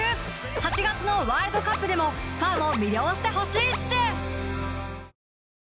８月のワールドカップでもファンを魅了してほしいっシュ！